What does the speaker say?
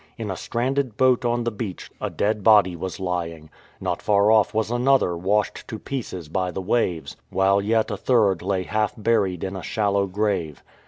In a stranded boat on the beach a dead body was lying; not far off was another washed to pieces by the waves ; while yet a third lay half buried in a shallow grave.